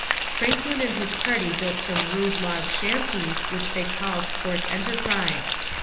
Franklin and his party built some rude log shanties which they called Fort Enterprise.